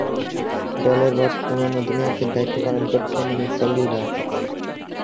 দলের বর্তমান অধিনায়কের দায়িত্ব পালন করছেন মিতালী রাজ।